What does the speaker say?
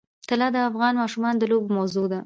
طلا د افغان ماشومانو د لوبو موضوع ده.